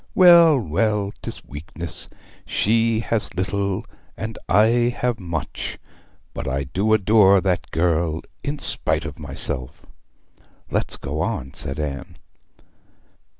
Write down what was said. Well, well, 'tis weakness! She has little, and I have much; but I do adore that girl, in spite of myself!' 'Let's go on,' said Anne.